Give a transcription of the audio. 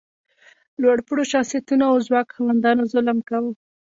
لوړ پوړو شخصیتونو او ځواک خاوندانو ظلم کاوه.